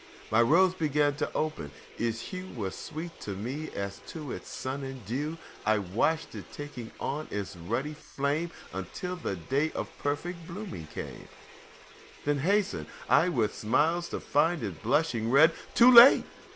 My rose began to open, and its hue Was sweet to me as to it sun and dew; I watched it taking on its ruddy flame Until the day of perfect blooming came, Then hasted I with smiles to find it blushing red Too late!